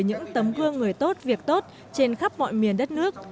những tấm gương người tốt việc tốt trên khắp mọi miền đất nước